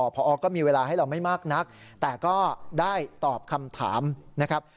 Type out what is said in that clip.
พอก็มีเวลาให้เราไม่มากนักแต่ก็ได้ตอบคำถามนะครับ